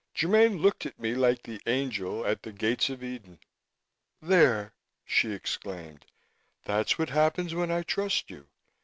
Germaine looked at me like the angel at the Gates of Eden. "There!" she exclaimed. "That's what happens when I trust you.